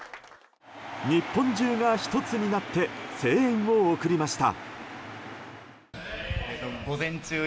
日本中が１つになって声援を送りました。